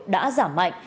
đã giảm mạnh